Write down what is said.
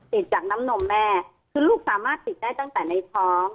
ติดจากน้ำนมแม่คือลูกสามารถติดได้ตั้งแต่ในท้อง